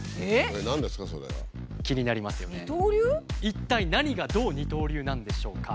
一体何がどう二刀流なんでしょうか？